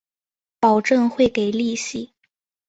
保证会给利息